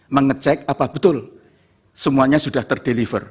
mengecek apa betul semuanya sudah ter deliver